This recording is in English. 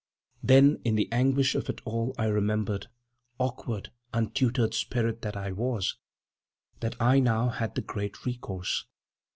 Then in the anguish of it all I remembered, awkward, untutored spirit that I was, that I now had the Great Recourse.